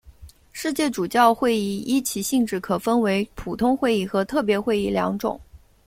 世界主教会议依其性质可分为普通会议和特别会议两种。